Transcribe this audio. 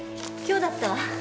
今日だったわ。